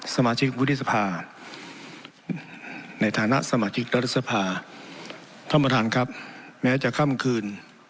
สมาชิกวิทยศภาในฐานะสมาชิกรัฐศภาท่อมทางครับแม้จะค่ำคืน